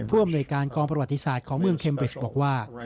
อำนวยการกองประวัติศาสตร์ของเมืองเมริชบอกว่า